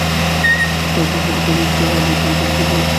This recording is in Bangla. আর তারপর, হঠাৎ, আমি একটা আলোর ঝলকানি দেখলাম।